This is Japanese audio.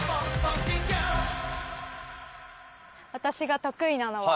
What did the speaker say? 私が得意なのは。